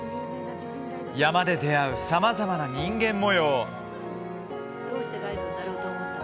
山で出会うさまざまな人間もよう。